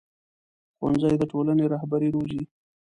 ښوونځی د ټولنې رهبري روزي